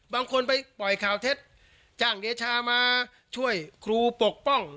บางคนไปปล่อยข่าวเท็จจ้างเดชามาช่วยครูปกป้อง